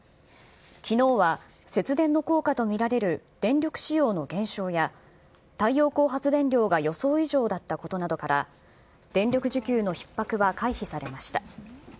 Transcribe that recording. きのうは、節電の効果と見られる電力使用の減少や、太陽光発電量が予想以上だったことから、電力需給のひっ迫は回避されました。